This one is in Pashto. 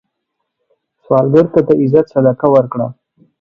سوالګر ته د عزت صدقه ورکړه